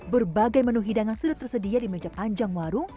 berbagai menu hidangan sudah tersedia di meja panjang warung